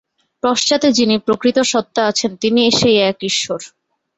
পশ্চাতে যিনি প্রকৃতসত্তা আছেন, তিনি সেই এক ঈশ্বর।